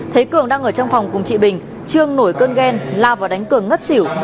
thấy cường đang ở trong phòng cùng chị bình trương nổi cơn ghen lao vào đánh cường ngất xỉu